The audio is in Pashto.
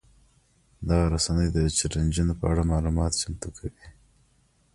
دغه رسنۍ د چلنجونو په اړه معلومات چمتو کوي.